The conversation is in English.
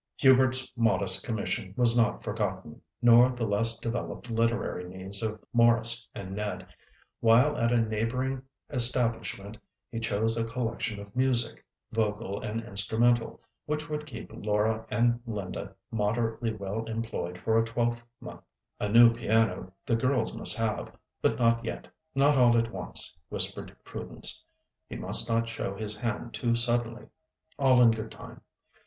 Hubert's modest commission was not forgotten, nor the less developed literary needs of Maurice and Ned, while at a neighbouring establishment he chose a collection of music, vocal and instrumental, which would keep Laura and Linda moderately well employed for a twelvemonth. A new piano the girls must have, but not yet, not all at once, whispered Prudence. He must not show his hand too suddenly. All in good time.